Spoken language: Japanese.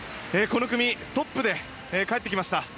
この組トップでかえってきました。